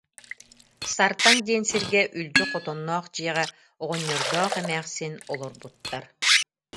Сартаҥ диэн сиргэ үлдьү хотонноох дьиэҕэ оҕонньордоох эмээхсин олорбуттар